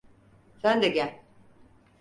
Sen de gel.